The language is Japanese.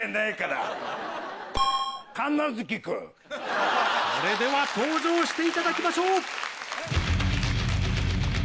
ピンポン・それでは登場していただきましょう・